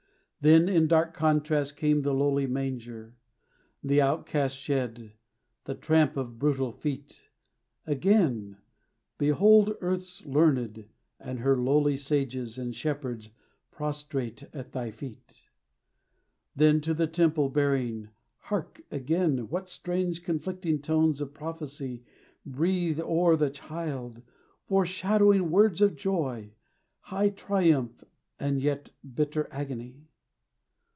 Then in dark contrast came the lowly manger, The outcast shed, the tramp of brutal feet; Again, behold earth's learned, and her lowly, Sages and shepherds, prostrate at thy feet. Then to the temple bearing, hark! again What strange, conflicting tones of prophecy Breathe o'er the Child, foreshadowing words of joy, High triumph, and yet bitter agony.